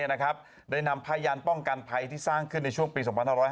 ได้นำพยานป้องกันภัยที่สร้างขึ้นในช่วงปี๒๕๕๙